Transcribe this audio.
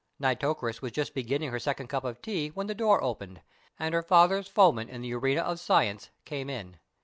Nitocris was just beginning her second cup of tea when the door opened and her father's foeman in the arena of Science came in.